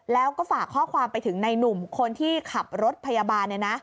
แล้วก็ฝากข้อความไปถึงในหนุ่มคนที่ขับรถพยาบาล